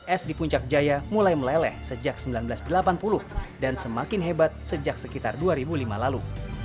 es di puncak jaya mulai meleleh sejak seribu sembilan ratus delapan puluh dan semakin hebat sejak sekitar dua ribu lima lalu